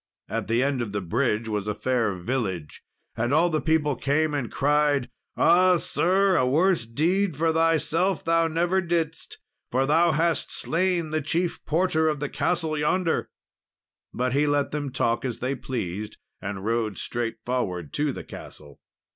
At the end of the bridge was a fair village, and all the people came and cried, "Ah, sir! a worse deed for thyself thou never didst, for thou hast slain the chief porter of the castle yonder!" But he let them talk as they pleased, and rode straight forward to the castle.